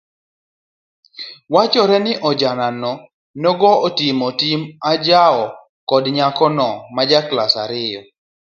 Wachore ni ojana nogo ne otimo tim anjawo kod nyakono ma ja klas ariyo.